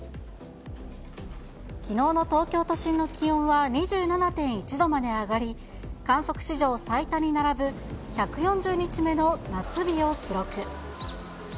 きのうの東京都心の気温は２７．１度まで上がり、観測史上最多に並ぶ１４０日目の夏日を記録。